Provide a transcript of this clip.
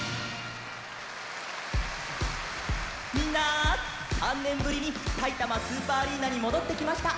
みんな３ねんぶりにさいたまスーパーアリーナにもどってきました。